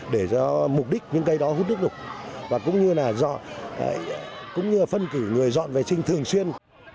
để cho mục đích những cây đó hút nước lục và cũng như là phân cử người dọn vệ sinh thường xuyên